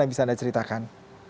yang bisa anda ceritakan